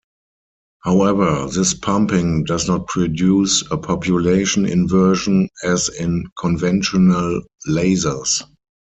However, this pumping does not produce a population inversion as in conventional lasers.